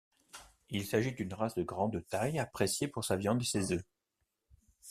Il s'agit d'une race de grande taille, appréciée pour sa viande et ses œufs.